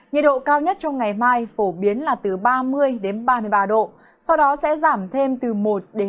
nhiệt độ cao nhất trong ngày mai phổ biến là từ ba mươi ba mươi ba độ sau đó sẽ giảm thêm từ một hai độ